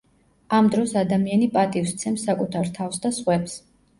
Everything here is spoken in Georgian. ამ დროს ადამიანი პატივს სცემს საკუთარ თავს და სხვებს.